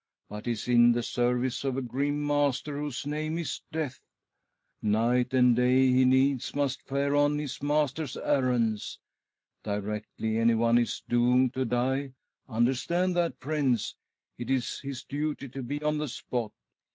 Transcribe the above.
but is in the service of a grim master whose name is Death. Night and day he needs must fare on his master's errands. Directly anyone is doomed M 30 THY SOUL SHALL BEAR WITNESS ! to die — understand that, friends— it is his duty to be on the spot.